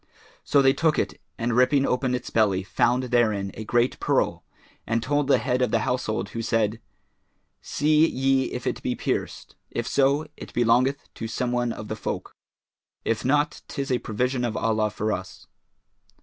So they took it and ripping open its belly, found therein a great pearl and told the head of the household who said, "See ye if it be pierced: if so, it belongeth to some one of the folk; if not, 'tis a provision of Allah for us."